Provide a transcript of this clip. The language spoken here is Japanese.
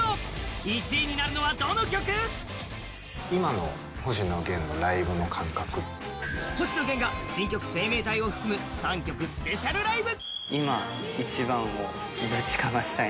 １位になるのはどの曲？星野源が新曲「生命体」を含む３曲スペシャルライブ。